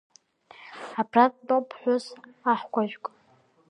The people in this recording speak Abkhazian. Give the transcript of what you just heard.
Абра дтәоуп ԥҳәыс аҳкәажәк.